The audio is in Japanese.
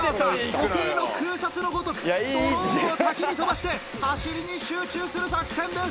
得意の空撮のごとくドローンを先に飛ばして走りに集中する作戦です。